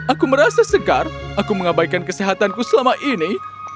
aku merasa segar aku mengabaikan kesehatanku selama ini